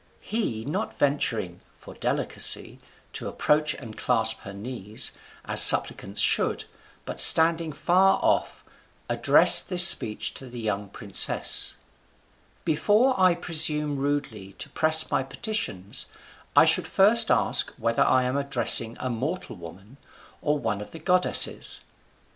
He not venturing (for delicacy) to approach and clasp her knees, as suppliants should, but standing far off, addressed this speech to the young princess: "Before I presume rudely to press my petitions, I should first ask whether I am addressing a mortal woman, or one of the goddesses.